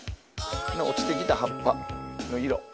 落ちて来た葉っぱの色。